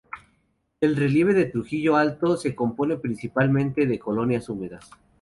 El relieve de Trujillo Alto se compone principalmente de colinas húmedas.